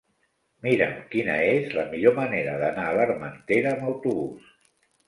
Mira'm quina és la millor manera d'anar a l'Armentera amb autobús.